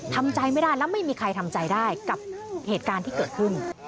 ทำใจไม่ได้แล้วไม่มีใครทำใจได้กับเหตุการณ์ที่เกิดขึ้น